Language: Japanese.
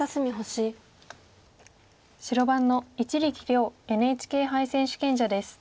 白番の一力遼ＮＨＫ杯選手権者です。